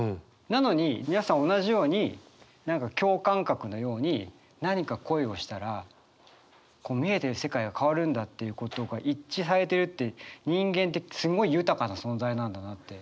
なのに皆さん同じように何か共感覚のように何か恋をしたら見えてる世界が変わるんだっていうことが一致されてるって人間ってすごい豊かな存在なんだなって。